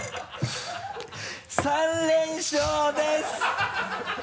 ３連勝です！